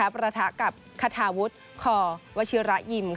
ประทะกับคาทาวุฒิคอวชิระยิม